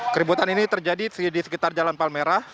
keributan ini terjadi di sekitar jalan palmerah